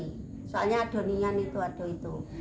soalnya adonian itu adon itu